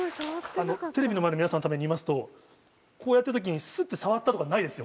テレビの前の皆さんのために言いますとこうやった時にスッて触ったとかないですよ